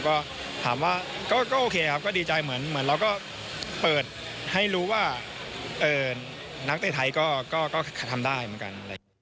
ก็ถามว่าก็โอเคครับก็ดีใจเหมือนเราก็เปิดให้รู้ว่านักเตะไทยก็ทำได้เหมือนกัน